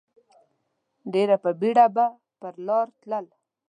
ډېر په بېړه به پر لار تلل.